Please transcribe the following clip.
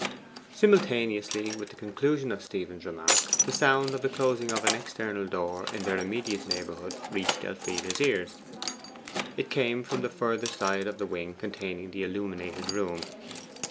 Simultaneously with the conclusion of Stephen's remark, the sound of the closing of an external door in their immediate neighbourhood reached Elfride's ears. It came from the further side of the wing containing the illuminated room.